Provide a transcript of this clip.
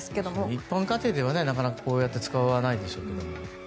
一般家庭ではなかなか使わないでしょうけども。